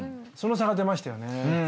その差が出ましたよね。